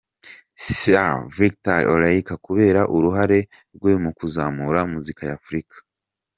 Sir Victor Olaiya, kubera uruhare rwe mu kuzamura muzika ya Africa.